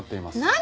何？